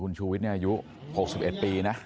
คุณชูวิทย์อายุ๖๑ปีนะ